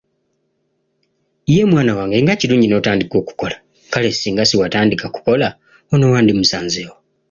Ye mwana wange nga kirungi n'otandika okukola, kale singa siwatandika kukola ono wandimusanze wa?